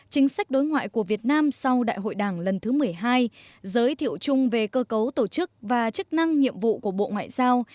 chính sách đối ngoại của việt nam sau đại hội đảng lần thứ một mươi hai giới thiệu chung về cơ cấu tổ chức và chức năng nhiệm vụ của bộ ngoại giao